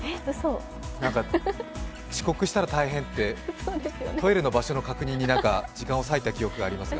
遅刻したら大変って、トイレの場所の確認に時間を割いた記憶がありますが。